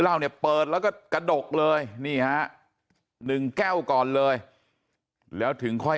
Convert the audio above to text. เหล้าเนี่ยเปิดแล้วก็กระดกเลยนี่ฮะ๑แก้วก่อนเลยแล้วถึงค่อย